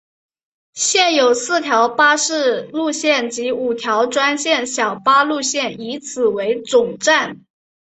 现时有四条巴士路线及五条专线小巴路线以此为总站。